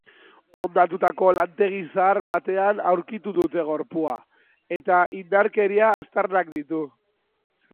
Hondatutako lantegi zahar batean aurkitu dute gorpua eta indarkeria aztarnak ditu.